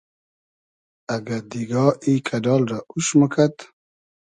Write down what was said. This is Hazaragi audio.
اگۂ دیگا ای کئۮال رۂ اوش موکئد